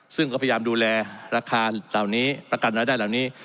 ซึ่งก็พยายามดูแลราคาเหล่านี้แล้วนี้